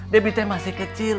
debbie itu yang masih kecil